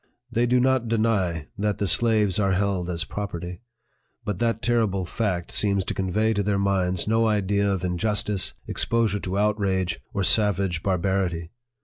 They do not deny that the slaves are held as property ; but that terrible fact seems to convey to their minds no idea of injustice, exposure to outrage, or savage bar barity.